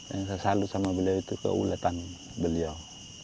yang saya salut sama beliau itu keuletan beliau